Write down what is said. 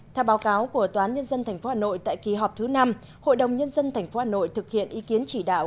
theo báo cáo của tòa án nhân dân tp hà nội tại kỳ họp thứ năm hội đồng nhân dân tp hà nội thực hiện ý kiến chỉ đạo